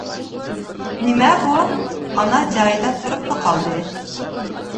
-نېمە؟ بۇ. ئانا جايىدا تۇرۇپلا قالدى.